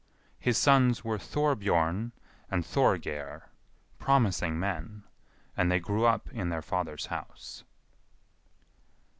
His sons were Thorbjorn and Thorgeir, promising men, and they grew up in their father's house.